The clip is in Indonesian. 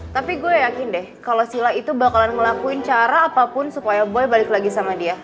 tapi gue yakin deh kalau sila itu bakalan ngelakuin cara apapun supaya boy balik lagi sama dia